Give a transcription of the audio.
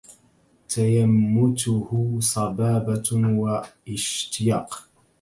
تيمته صبابة وإشتياق